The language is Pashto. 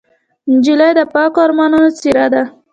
نجلۍ د پاکو ارمانونو څېره ده.